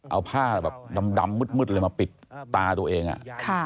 เอาผ้าแบบดำมืดเลยมาปิดตาตัวเอง